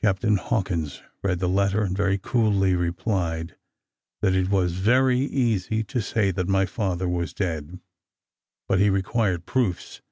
Captain Hawkins read the letter, and very coolly replied, that "it was very easy to say that my father was dead, but he required proofs."